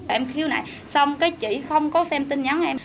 em khiêu này xong cái chị không có xem tin nhắn em